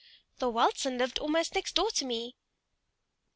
"Thorwaldsen lived almost next door to me.